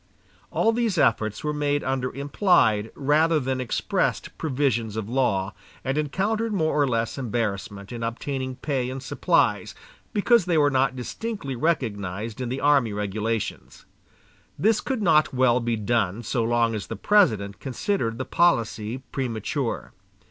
All these efforts were made under implied, rather than expressed provisions of law, and encountered more or less embarrassment in obtaining pay and supplies, because they were not distinctly recognized in the army regulations. This could not well be done so long as the President considered the policy premature.